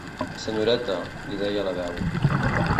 Senyoreta, li deia la veu.